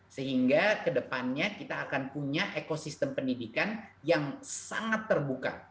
sehingga kedepannya kita akan punya ekosistem pendidikan yang sangat terbuka